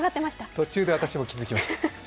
途中で私も気づきました。